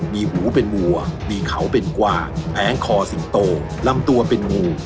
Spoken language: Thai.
มีหูเป็นวัวมีเขาเป็นกวางแผงคอสิงโตลำตัวเป็นงู